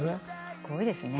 すごいですね。